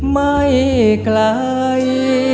ไม่ไกล